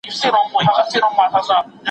ولي ځیني خلګ په ځمکه کي فساد کوي؟